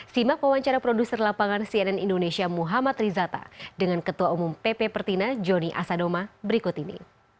simak wawancara produser lapangan cnn indonesia muhammad rizata dengan ketua umum pp pertina joni asadoma berikut ini